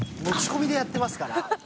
持ち込みでやってますから。